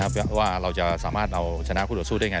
เพื่อว่าเราจะสามารถเอาชนะคู่ต่อสู้ได้ไง